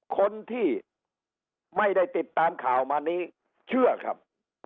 คนที่ไม่ได้ติดตามข่าวมานี้เชื่อครับ